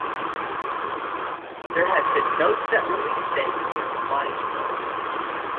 There has been no set release date for Camani's film.